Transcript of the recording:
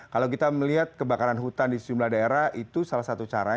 kalau kita melihat kebakaran hutan di sejumlah daerah itu salah satu caranya